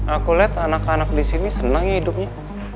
aku liat anak anak disini seneng ya hidupnya